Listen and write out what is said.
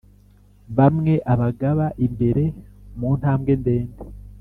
bamwe abagaba imbere muntambwe ndende